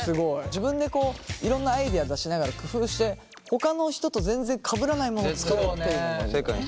自分でいろんなアイデア出しながら工夫してほかの人と全然かぶらない物を作るっていうのがいいよね。